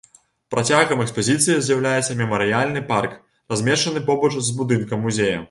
Працягам экспазіцыі з'яўляецца мемарыяльны парк, размешчаны побач з будынкам музея.